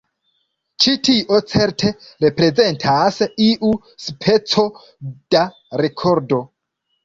Ĉi-tio certe reprezentas iu speco da rekordo.